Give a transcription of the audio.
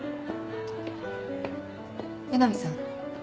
江波さん。